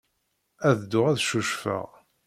Ad dduɣ ad ccucfeɣ.